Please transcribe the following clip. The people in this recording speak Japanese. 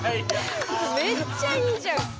めっちゃいいじゃん。